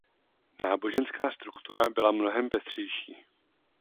Náboženská struktura byla mnohem pestřejší.